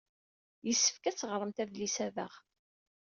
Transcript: Yessefk ad teɣremt adlis-a daɣ.